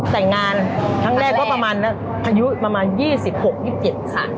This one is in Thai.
แต่งงานครั้งแรกก็ประมาณอายุประมาณ๒๖๒๗ค่ะ